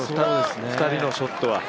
２人のショットは。